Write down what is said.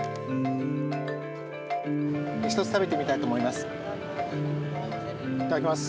ひとつ食べてみたいと思います。